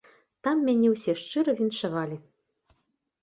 Там мяне ўсе шчыра віншавалі.